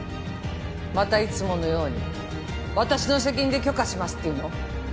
またいつものように私の責任で許可しますっていうの？